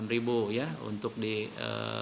enam ribu ya untuk disuntikan